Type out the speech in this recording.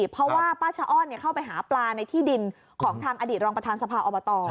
เพราะว่าป้าชะอ้อนเข้าไปหาปลาในที่ดินของทางอดีตรองประธานสภาอบต